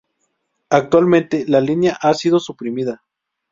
Actualmente la línea ha sido suprimida.